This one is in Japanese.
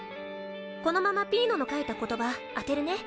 このままピーノの書いた言葉当てるね。